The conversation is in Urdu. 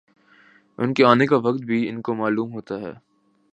ان کے آنے کا وقت بھی ان کو معلوم ہوتا ہے